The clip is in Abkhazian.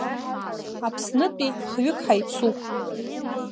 Аԥснытәи хҩык ҳаицуп.